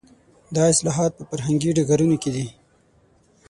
دا اصلاحات په فرهنګي ډګرونو کې دي.